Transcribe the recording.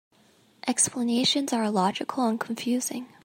Explanations are illogical and confusing.